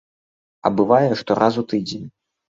А бывае, што раз у тыдзень.